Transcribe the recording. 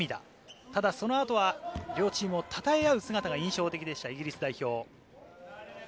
ただその後は、両チームをたたえ合う姿が印象的でした、イギリス代表。